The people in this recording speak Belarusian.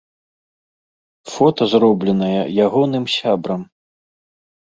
Фота зробленае ягоным сябрам.